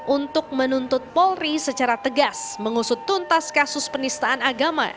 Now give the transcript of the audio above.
untuk menuntut polri secara tegas mengusut tuntas kasus penistaan agama